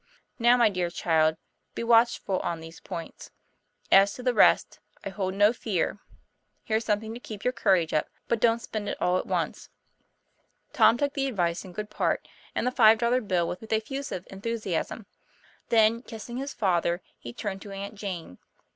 Now, my dear child, be watchful on these points. As to the rest, I hold no fear. Here's something to keep your courage up but don't spend it all at once." Tom took the advice in good part, and the five dollar bill with effusive enthusiasm. Then kissing TOM PLA YFAIR. 33 his father, he turned to Aunt Jane.